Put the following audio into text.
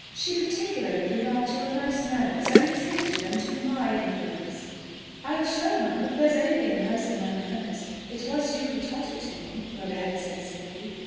She particularly remarked your nice manners, and attributed them to my influence " "I'm sure, ma'am, if there is anything nice in my manners, it was you who taught it to me," Rhoda had said simply.